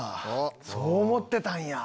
そう思ってたんや。